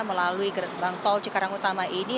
melalui gerbang tol cikarang utama ini